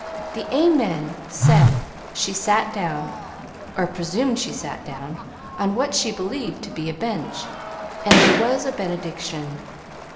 The "Amen" said, she sat down, or presumed she sat down, on what she believed to be a bench, and there was a benediction.